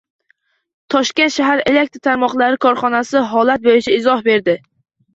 “Toshkent shahar elektr tarmoqlari korxonasi” holat bo‘yicha izoh berdi